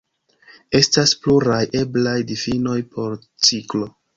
Estas pluraj eblaj difinoj por ciklo.